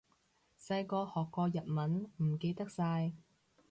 細個學過日文，唔記得晒